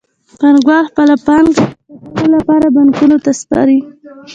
پانګوال خپله پانګه د ساتلو لپاره بانکونو ته سپاري